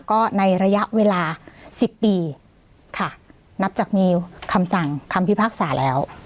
ก็ในระยะเวลาสิบปีค่ะนับจากมีคำสั่งคำพิพากษาแล้ว